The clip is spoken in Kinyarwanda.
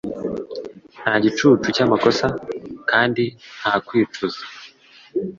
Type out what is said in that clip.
nta gicucu cyamakosa, kandi nta kwicuza.